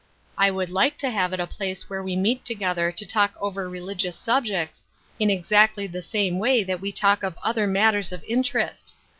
I would like to have it a place where we meet together to tidk over religious subjects, in exactly the same way that we talk of other matters of interest.